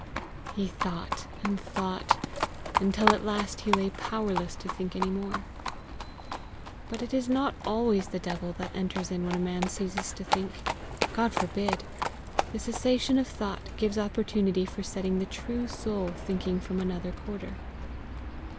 He thought and thought until at last he lay powerless to think any more. But it is not always the devil that enters in when a man ceases to think. God forbid! The cessation of thought gives opportunity for setting the true soul thinking from another quarter.